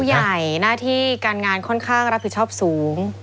ใหญ่หน้าที่การงานค่อนข้างรับผิดชอบสูง